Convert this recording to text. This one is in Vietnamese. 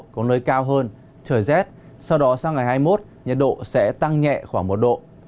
có nơi cao hơn trời rét sau đó sang ngày hai mươi một nhiệt độ sẽ tăng nhẹ khoảng một độ